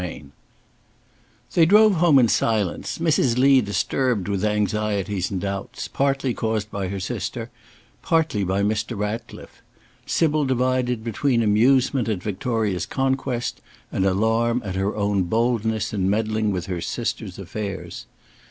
Chapter XII THEY drove home in silence, Mrs. Lee disturbed with anxieties and doubts, partly caused by her sister, partly by Mr. Ratcliffe; Sybil divided between amusement at Victoria's conquest, and alarm at her own boldness in meddling with her sister's affairs.